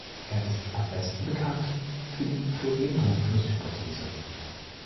Er ist am besten bekannt für die Phloem-Druckfluss-Hypothese.